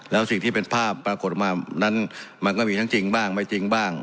แล้วสิ่งที่เป็นภาพปรากฏออกมานั้นมันก็มีทั้งจริงบ้างไม่จริงบ้าง